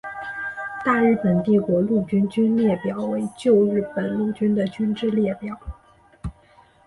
大日本帝国陆军军列表为旧日本陆军的军之列表。